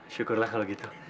syukurlah kalau gitu